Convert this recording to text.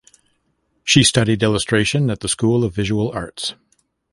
She studied illustration at the School of Visual Arts.